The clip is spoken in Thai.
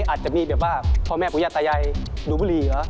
อาจจะมีแบบว่าพ่อแม่ผู้ย่าตายายดูบุรีเหรอ